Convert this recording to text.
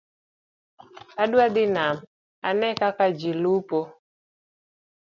Adwa dhi nam ane kaka ji lupo